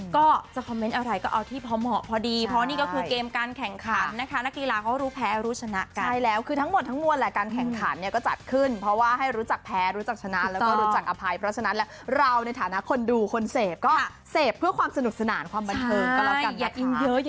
ก็จะคอมเม้นท์อะไรก็เอาที่พรหม่อพอดี